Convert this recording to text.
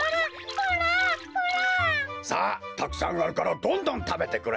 さあたくさんあるからどんどんたべてくれ。